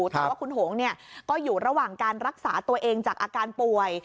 แต่ว่าคุณหงก็อยู่ระหว่างการรักษาตัวเองจากอาการป่วย